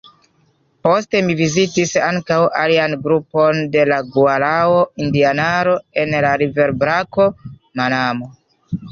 Poste mi vizitis ankaŭ alian grupon de la guarao-indianaro en la riverbrako Manamo.